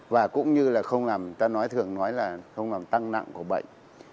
và cũng như là không làm ta nói thường nói là không làm tăng nặng của bệnh